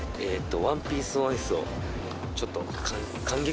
『ワンピース・オン・アイス』をちょっと観劇？